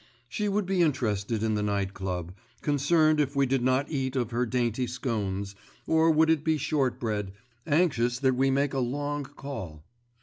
She would be interested in the Night Club, concerned if we did not eat of her dainty scones, or would it be shortbread, anxious that we make a long call.